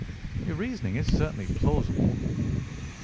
"Your reasoning is certainly plausible."